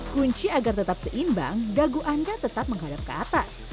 kunci agar tetap seimbang dagu anda tetap menghadap ke atas